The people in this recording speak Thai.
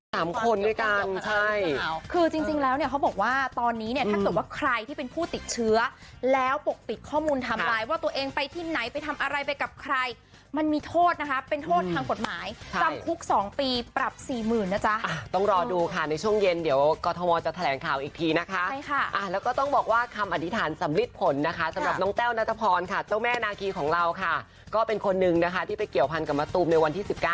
สามคนด้วยกันคือจริงแล้วเนี่ยเขาบอกว่าตอนนี้เนี่ยถ้าถูกว่าใครที่เป็นผู้ติดเชื้อแล้วปกติข้อมูลทำร้ายว่าตัวเองไปที่ไหนไปทำอะไรไปกับใครมันมีโทษนะคะเป็นโทษทางกฎหมายคุก๒ปีปรับ๔๐๐๐๐นะจ๊ะต้องรอดูค่ะในช่วงเย็นเดี๋ยวกฎธมวลจะแถลงข่าวอีกทีนะคะแล้วก็ต้องบอกว่าคำอธิษฐานสำ